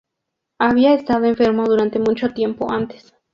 Había estado enfermo durante mucho tiempo antes.